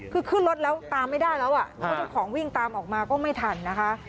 คือขึ้นรถแล้วตามไม่ได้แล้วอ่ะเพราะเจ้าของวิ่งตามออกมาก็ไม่ทันนะคะ